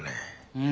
うん。